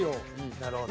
なるほど。